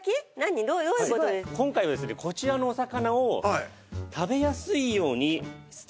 今回はですねこちらのお魚を食べやすいように。